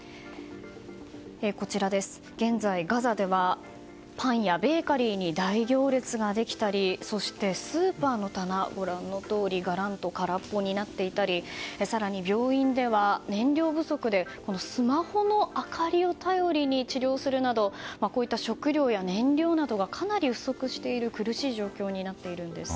こちら、現在ガザではパンやベーカリーに大行列ができたりそして、スーパーの棚はご覧のとおり、がらんと空っぽになっていたり更に病院では燃料不足でスマホの明かりを頼りに治療するなどこういった食料や燃料などがかなり不足している苦しい状況になっているんです。